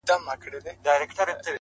د توري شپې سره خوبونه هېرولاى نه ســم،